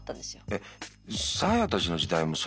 えっサーヤたちの時代もそれやってた？